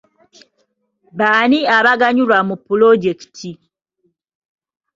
Baani abaganyulwa mu pulojekiti?